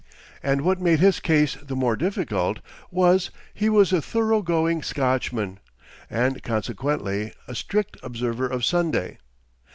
And what made his case the more difficult was, he was a thorough going Scotchman, and consequently a strict observer of Sunday.